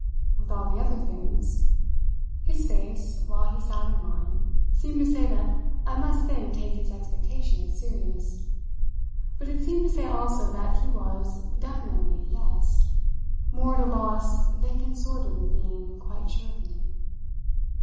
"With all the other things?" His face, while he sounded mine, seemed to say that I must then take his expectation as serious. But it seemed to say also that he was definitely, yes more at a loss than consorted with being quite sure of me.